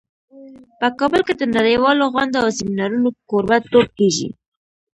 په کابل کې د نړیوالو غونډو او سیمینارونو کوربه توب کیږي